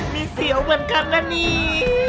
มีเสียวเหมือนกันนะนี่